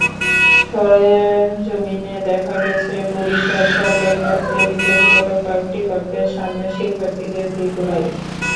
সরেজমিনে দেখা গেছে, বরিশাল সরকারি বালিকা বিদ্যালয়ের কয়েকটি কক্ষের সামনে শিক্ষার্থীদের দীর্ঘ লাইন।